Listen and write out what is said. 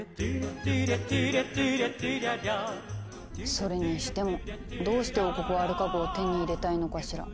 それにしてもどうして王国はアルカ号を手に入れたいのかしら？